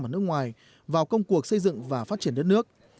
ở nước ngoài vào công cuộc xây dựng và phát triển đất nước